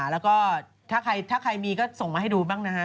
แล้วก็ถ้าใครมีก็ส่งมาให้ดูบ้างนะฮะ